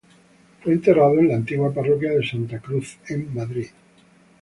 Fue enterrado en la antigua parroquia de Santa Cruz, en Madrid.